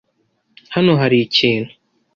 Hano hari ikintu.